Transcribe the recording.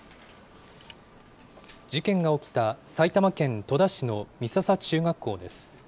事件が起きた埼玉県戸田市の美笹中学校です。